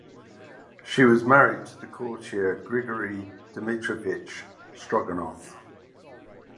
She was married to the courtier Grigory Dmitriyevich Stroganov.